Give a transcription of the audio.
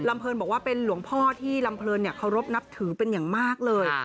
เพลินบอกว่าเป็นหลวงพ่อที่ลำเพลินเคารพนับถือเป็นอย่างมากเลย